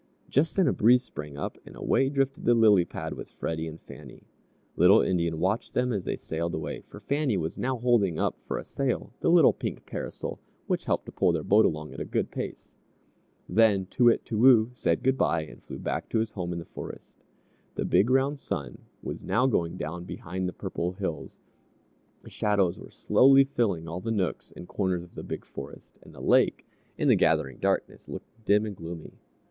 Just then a breeze sprang up, and away drifted the lily pad with Freddie and Fannie. Little Indian watched them as they sailed away, for Fannie was now holding up for a sail the little pink parasol, which helped to pull their boat along at a good pace. Then Too Wit, Too Woo said good by, and flew back to his home in the forest. The big, round sun was now going down behind the purple hills, the shadows were slowly filling all the nooks and corners of the big forest, and the lake, in the gathering darkness, looked dim and gloomy.